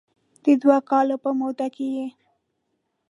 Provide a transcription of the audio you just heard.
د دوه کالو په موده کې یې